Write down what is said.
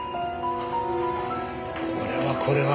これはこれは。